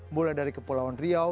mulai dari kepulauan riau